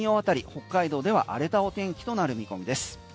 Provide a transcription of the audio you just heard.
北海道では荒れたお天気となる見込みです。